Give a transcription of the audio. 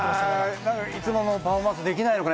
いつものパフォーマンスできないのかな？